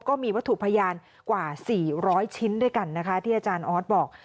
ก็มีวัตถุพยานกว่า๔๐๐ชิ้นด้วยกันนะคะที่อาจารย์ออสบอก